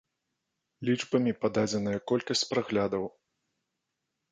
Лічбамі пададзеная колькасць праглядаў.